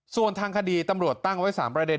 ส่วนทางคดีตำรวจตั้งไว้๓ประเด็น